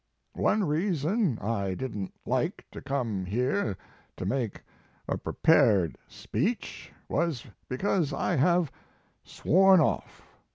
One reason I didn t like to come here to make a prepared speech was be cause I have sworn off.